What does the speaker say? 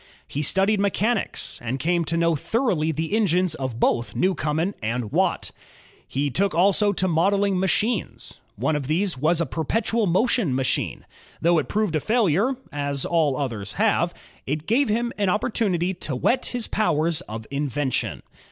He studied mechanics, and came to know thoroughly the engines of both Newcomen and Watt. He took also to modeling machines. One of these was a perpetual motion machine. Though it proved a failure, as all others have, it gave him opportimity to whet his powers of invention.